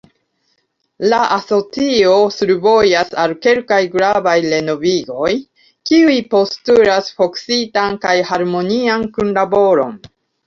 “La Asocio survojas al kelkaj gravaj renovigoj, kiuj postulas fokusitan kaj harmonian kunlaboron.